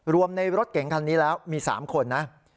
ในรถเก๋งคันนี้แล้วมี๓คนนะ